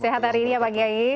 sehat hari ini ya pak kiai